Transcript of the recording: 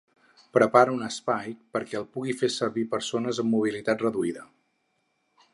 Prepara un espai perquè el puguin fer servir persones amb mobilitat reduïda.